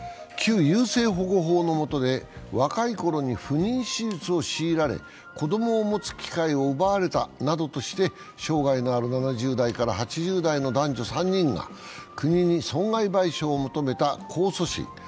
旧優生保護法のもとで若い頃に不妊手術を強いられ子供を持つ機会を奪われたなどとして障害のある７０代から８０代の男女３人が国に損害賠償を求めた控訴審。